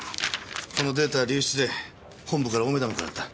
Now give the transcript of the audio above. このデータ流出で本部から大目玉くらった。